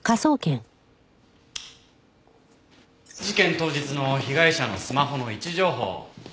事件当日の被害者のスマホの位置情報。